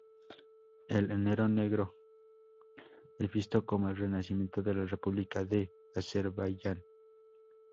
El enero negro es visto como el renacimiento de la República de Azerbaiyán.